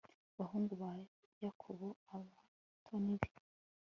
bahungu ba yakobo, abatoni be